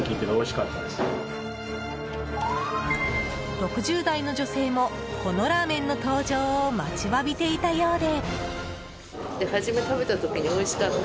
６０代の女性もこのラーメンの登場を待ちわびていたようで。